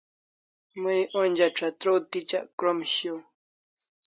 May onja chatraw tichak krom shiaw